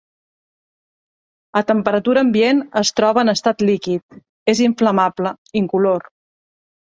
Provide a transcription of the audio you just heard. A temperatura ambient es troba en estat líquid, és inflamable, incolor.